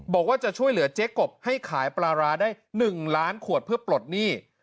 บอกว่าจะช่วยเหลือเจ๊กบให้ขายปลาร้าได้๑ล้านขวดเพื่อปลดหนี้